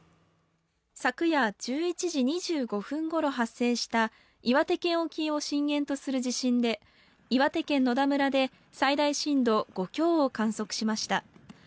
昨夜１１時２５分ごろ発生した岩手県沖を震源とする地震で岩手県野田村で最大震度５強を観測しました。